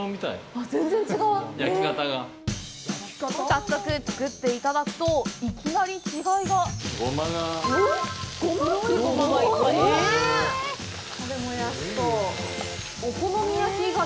早速作っていただくといきなり違いがゴマが。